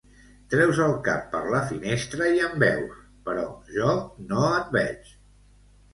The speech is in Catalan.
Treus el cap per la finestra i em veus, però jo no et veig.